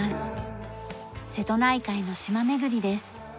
瀬戸内海の島巡りです。